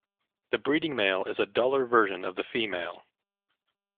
The breeding male is a duller version of the female.